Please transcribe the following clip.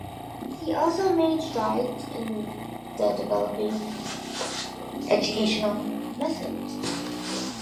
He also made strides in the developing educational methods.